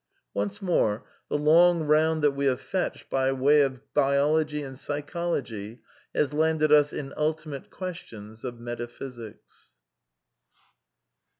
Once more, the long round that we have fetched by way of biology and psychology has landed us in ultimate ques tions of metaphysics.